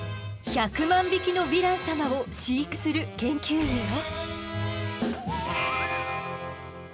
１００万匹のヴィラン様を飼育する研究員よ。